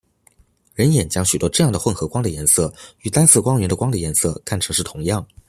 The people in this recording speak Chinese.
人眼将许多这样的混合光的颜色与单色光源的光的颜色看成是同样。